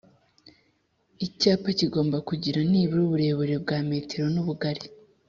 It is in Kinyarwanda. Icyapa kigomba kugira nibura uburebure bwa metero n ubugari